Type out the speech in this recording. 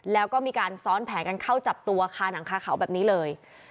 แล้วก็มีการซ้อนแผนกันเข้าจับตัวคาหนังคาเขาแบบนี้เลย